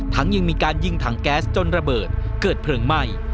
ยังมีการยิงถังแก๊สจนระเบิดเกิดเพลิงไหม้